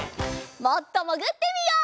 もっともぐってみよう！